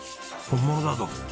本物だぞ。